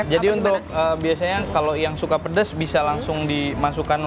jadi untuk biasanya kalau yang suka pedes bisa langsung dimasukkan lagi